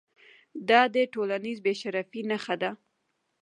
دا د ټولنیز بې شرفۍ نښه ده.